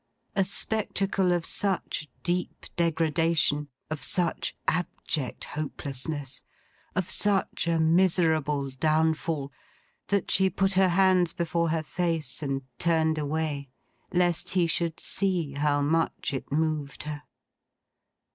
A spectacle of such deep degradation, of such abject hopelessness, of such a miserable downfall, that she put her hands before her face and turned away, lest he should see how much it moved her.